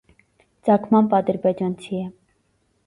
Ծագմամբ ադրբեջանցի է։